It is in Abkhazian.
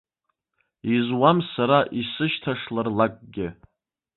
Изуам сара исышьҭашлар лакгьы.